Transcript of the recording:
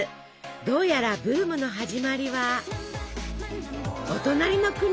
どうやらブームの始まりはお隣の国。